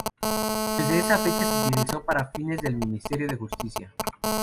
Desde esa fecha se utilizó para fines del Ministerio de Justicia.